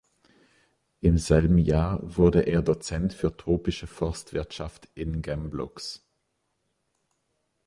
Im selben Jahr wurde er Dozent für tropische Forstwirtschaft in Gembloux.